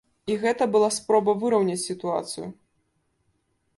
І гэта была спроба выраўняць сітуацыю.